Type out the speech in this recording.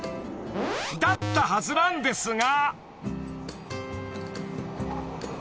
［だったはずなんですが］